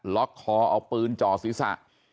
ล็อกคอเอาปืนจ่อศีรษะ